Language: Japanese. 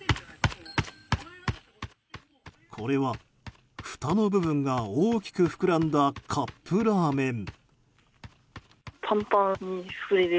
これは、ふたの部分が大きく膨らんだカップラーメン。